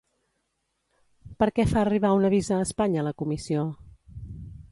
Per què fa arribar un avís a Espanya la Comissió?